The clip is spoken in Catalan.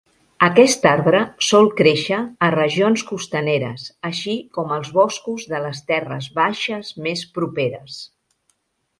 Aquest arbre sol créixer a regions costaneres, així com als boscos de les terres baixes més properes.